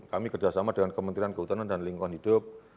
kami kerjasama dengan kementerian kehutanan dan lingkungan hidup